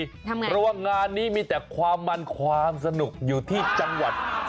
ทำไมเพราะว่างานนี้มีแต่ความมันความสนุกอยู่ที่จังหวัด